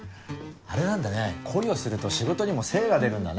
あれなんだね恋をすると仕事にも精が出るんだねぇ。